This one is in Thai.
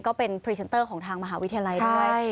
ก็เป็นพรีเซนเตอร์ของทางมหาวิทยาลัยด้วย